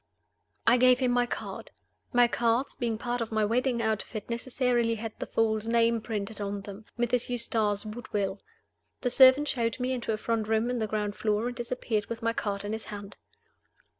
I gave him my card. My cards, being part of my wedding outfit, necessarily had the false name printed on them Mrs. Eustace Woodville. The servant showed me into a front room on the ground floor, and disappeared with my card in his hand.